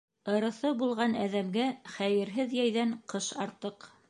Ырыҫы булған әҙәмгә хәйерһеҙ йәйҙән ҡыш артыҡ.